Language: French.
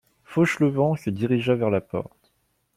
Fauchelevent se dirigea vers la porte.